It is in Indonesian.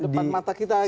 depan mata kita gitu ya